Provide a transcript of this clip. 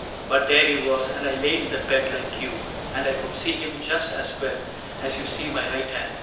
But there he was, and I lay in the bed Like you ; and I could see him just as well As you see my right hand.